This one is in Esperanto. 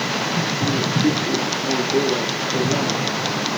Li naskiĝis malbela kaj lama.